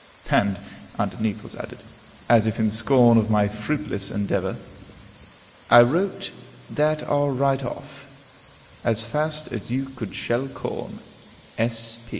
And underneath was added, as if in scorn of my fruitless endeavor: "I wrote that are right off, as fast as you could shell corn.